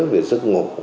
về giấc ngủ